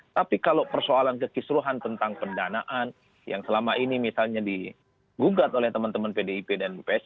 tapi kalau persoalan kekisruhan tentang pendanaan yang selama ini misalnya digugat oleh teman teman pdip dan ps